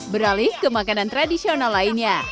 beralih ke makanan tradisional lainnya